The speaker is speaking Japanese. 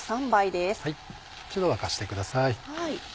一度沸かしてください。